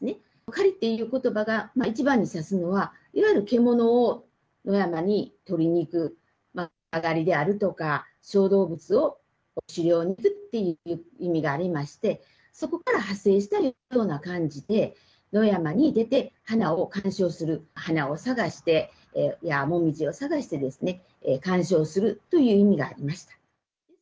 狩りっていうことばが一番に指すのは、いわゆる獣を野山に取りに行く、小動物を狩猟するっていう意味がありまして、そこから派生したような感じで、野山に出て花を観賞する、花を探して、モミジを探して観賞するという意味がありました。